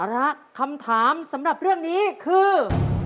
เอาละครับคำถามสำหรับเรื่องนี้คือ